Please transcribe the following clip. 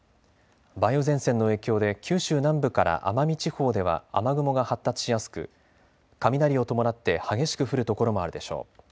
梅雨前線の影響で九州南部から奄美地方では雨雲が発達しやすく雷を伴って激しく降る所もあるでしょう。